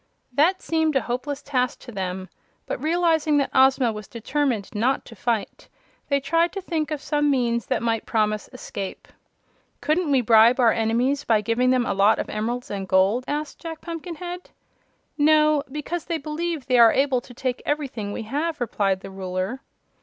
That seemed a hopeless task to them, but realizing that Ozma was determined not to fight, they tried to think of some means that might promise escape. "Couldn't we bribe our enemies, by giving them a lot of emeralds and gold?" asked Jack Pumpkinhead. "No, because they believe they are able to take everything we have," replied the Ruler.